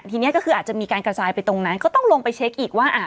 ทีนี้ก็คืออาจจะมีการกระจายไปตรงนั้นก็ต้องลงไปเช็คอีกว่า